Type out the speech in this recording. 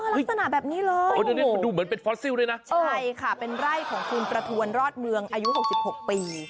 อ๋อลักษณะแบบนี้หรอโอ้โหใช่ค่ะเป็นไร่ของคุณประทวนรอดเมืองอายุ๖๖ปี